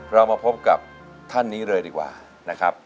เรามาพบกับท่านนี้เลยดีกว่านะครับ